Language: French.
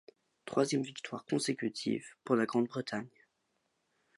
Troisième victoire consécutive pour la Grande-Bretagne.